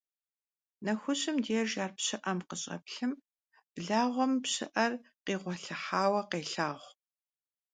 Nexuşım dêjj ar pşı'em khış'eplhım, blağuem pşı'er khiğuelhıhaue khêlhağu.